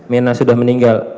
mirna sudah meninggal